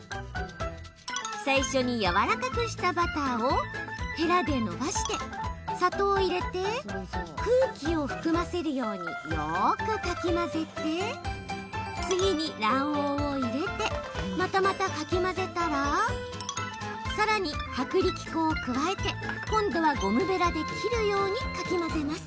最初に、やわらかくしたバターをへらでのばして砂糖を入れて空気を含ませるようによくかき混ぜて次に卵黄を入れてまたまた、かき混ぜたらさらに、薄力粉を加えて今度はゴムべらで切るようにかき混ぜます。